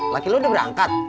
laki lu udah berangkat